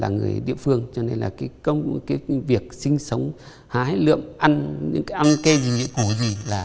người địa phương cho nên là cái công việc sinh sống hái lượm ăn những cái ăn cây những củ gì là